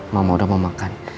mama udah mau makan